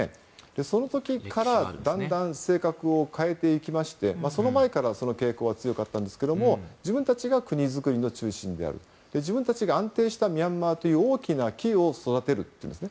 その時からだんだん性格を変えていきましてその前からその傾向は強かったんですが自分たちが国造りの中心である自分たちが安定したミャンマーという大きな木を育てるというんですね。